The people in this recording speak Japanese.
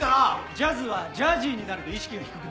「ジャズ」は「ジャジー」になると意識は低くなります。